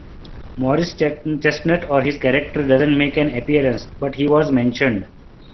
Morris Chestnut or his character doesn't make an appearance, but he was mentioned.